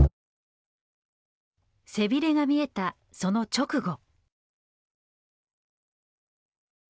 背ビレが見えたその直後。